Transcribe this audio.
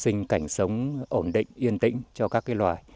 sinh cảnh sống ổn định yên tĩnh cho các loài